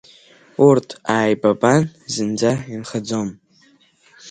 Урҭ ааибабан зынӡа инхаӡом…